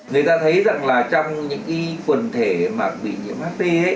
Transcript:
người ta thấy rằng là trong những quần thể bị nhiễm hp